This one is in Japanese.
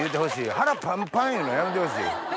「腹パンパン」言うのやめてほしい。